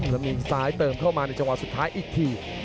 แล้วมีซ้ายเติมเข้ามาในจังหวะสุดท้ายอีกที